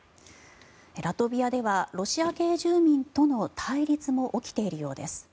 ラトビアではロシア系住民との対立も起きているようです。